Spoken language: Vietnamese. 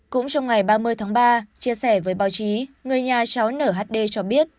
cũng trong ngày ba mươi tháng ba chia sẻ với báo chí người nhà cháu nở hd cho biết